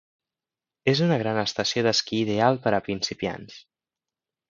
És una gran estació d'esquí ideal per a principiants.